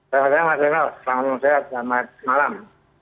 selamat siang mas rinal selamat siang dan selamat malam